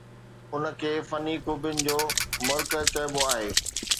ان کي فني خوبين جو مرقع چئبو آهي